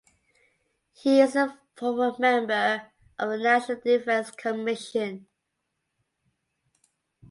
He is former member of the National Defense Commission.